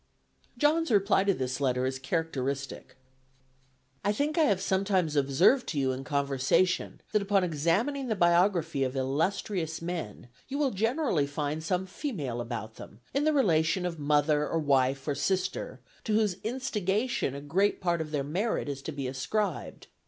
John's reply to this letter is characteristic. "I think I have sometimes observed to you in conversation, that upon examining the biography of illustrious men, you will generally find some female about them, in the relation of mother or wife or sister, to whose instigation a great part of their merit is to be ascribed.